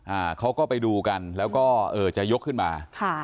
อ่าเขาก็ไปดูกันแล้วก็เอ่อจะยกขึ้นมาค่ะ